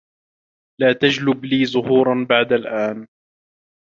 لا تجلب لي زهورا بعد الآن.